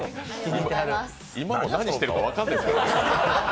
今も何してるか分からない。